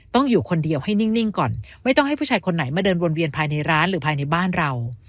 อยู่คนเดียวให้นิ่งก่อนไม่ต้องให้ผู้ชายคนไหนมาเดินวนเวียนภายในร้านหรือภายในบ้านเรา